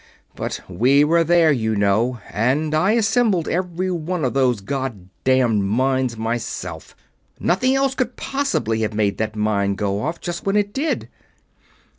But we were there, you know and I assembled every one of those God damned mines myself. Nothing else could possibly have made that mine go off just when it did."